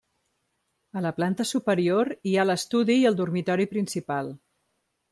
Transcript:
A la planta superior hi ha l'estudi i el dormitori principal.